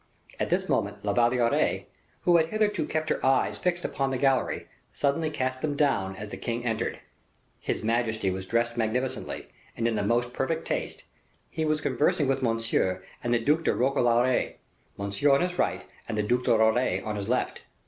At this moment La Valliere, who had hitherto kept her eyes fixed upon the gallery, suddenly cast them down as the king entered. His majesty was dressed magnificently and in the most perfect taste; he was conversing with Monsieur and the Duc de Roquelaure, Monsieur on his right, and the Duc de Roquelaure on his left.